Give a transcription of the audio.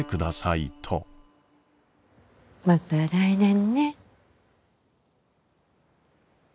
また来年ね。